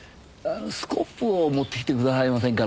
スコップを持ってきてくださいませんかな？